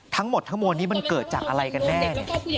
ทั้งหมดทั้งมวลนี้มันเกิดจากอะไรกันแน่